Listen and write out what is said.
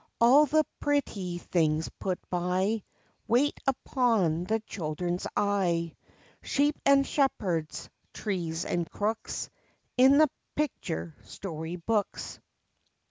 All the pretty things put by, Wait upon the children's eye, Sheep and shepherds, trees and crooks, In the picture story books.